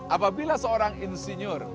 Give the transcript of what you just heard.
apabila seorang insinyur